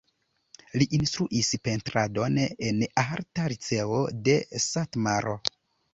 Li instruis pentradon en Arta liceo de Satmaro.